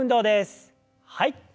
はい。